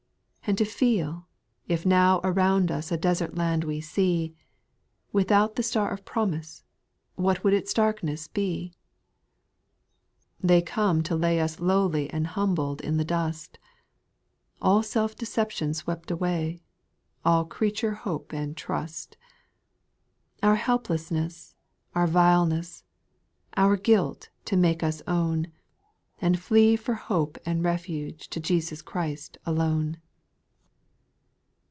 And to feel, if now around us a desert land we see, Without the "^tar of promise, what would its darkness be ? 4. They come to lay us lowly and humbled in the dust. All self deception swept away, all creature hope and trust, Our helplessness, our vileness, our guilt to make us own, And flee for hope and refuge to Jesus Christ alone.